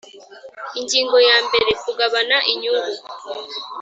Ingingo yambere Kugabana inyungu